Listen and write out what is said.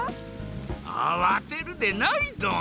あわてるでないドン。